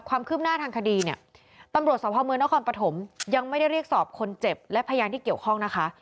ความคืบหน้าทางคดีเนี่ยตำรวจสภาพเมืองนครปฐมยังไม่ได้เรียกสอบคนเจ็บและพยานที่เกี่ยวข้องนะคะ